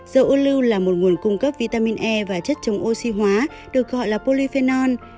dầu ô lưu là một nguồn cung cấp vitamin e và chất chống oxy hóa được gọi là polyphenol